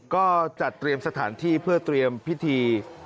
ก็จัดเตรียมสถานที่เพื่อเตรียมพิธี